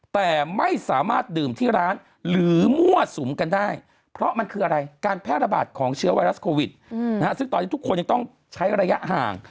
แต่ไม่สามารถดื่มที่ร้านหรือมั่วสุมกันได้เพราะมันคืออะไรการแพร่ระบาดของเชื้อไวรัสโควิดซึ่งตอนนี้ทุกคนยังต้องใช้ระยะห่าง